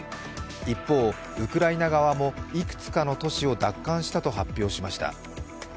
一方、ウクライナ側もいくつかの都市を奪還したと発表しました。